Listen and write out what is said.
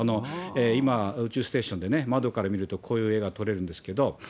今、宇宙ステーションで窓から見るとこういう絵が撮れるんですけど。